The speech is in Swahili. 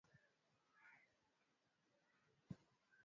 ikiwa ni mara ya kwanza tangu kutokea kwa hali kama hiyo